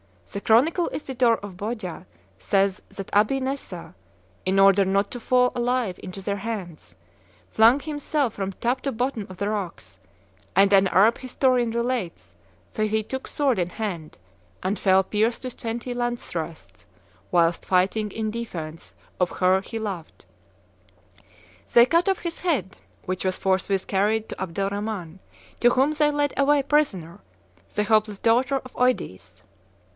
The chronicler Isidore of Bdja says that Abi Nessa, in order not to fall alive into their hands, flung himself from top to bottom of the rocks; and an Arab historian relates that he took sword in hand, and fell pierced with twenty lance thrusts whilst fighting in defence of her he loved. They cut off his head, which was forthwith carried to Abdel Rhaman, to whom they led away prisoner the hapless daughter of Eudes.